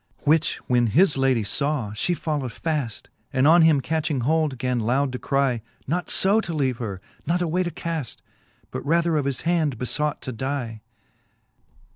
XVIII. Which when his ladie faw, Ihe follow'd faft, And on him catching hold, gan loud to crle Not {o to leave her, nor away to caft, But rather of his hand befought to die.